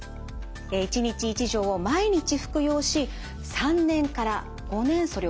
１日１錠を毎日服用し３年から５年それを継続します。